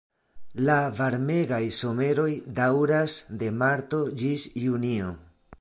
La varmegaj someroj daŭras de marto ĝis junio.